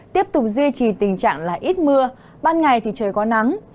tiếp tục duy trì tình trạng là ít mưa ban ngày thì trời có nắng